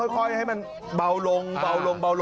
ค่อยให้มันเบาลงนะฮะ